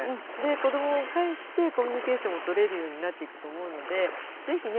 子どもを介してコミュニケーションもとれるようになっていくと思うので是非ね